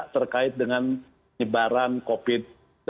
terkait dengan penyebaran covid sembilan belas